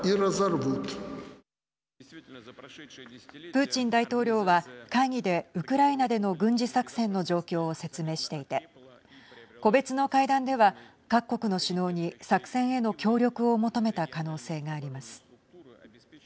プーチン大統領は会議で、ウクライナでの軍事作戦の状況を説明していて個別の会談では各国の首脳に作戦への協力を求めた可能性があります。